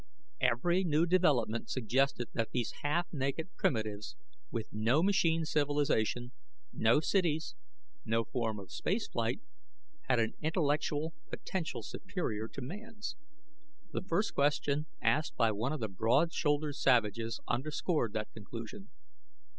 Every new development suggested that these half naked primitives with no machine civilization, no cities, no form of space flight had an intellectual potential superior to man's. The first question asked by one of the broad shouldered savages underscored that conclusion.